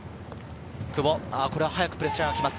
久保、これは早くプレッシャーが来ます。